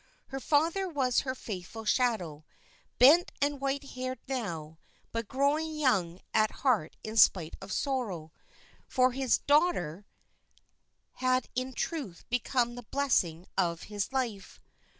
Her father was her faithful shadow; bent and white haired now, but growing young at heart in spite of sorrow, for his daughter had in truth become the blessing of his life.